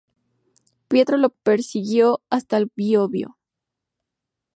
Prieto lo persiguió hasta el Biobío.